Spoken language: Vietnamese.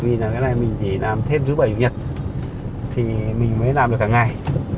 vì cái này mình chỉ làm thêm dưới bảy tháng nhật thì mình mới làm được cả ngày